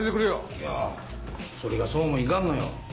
いやぁそれがそうもいかんのよ。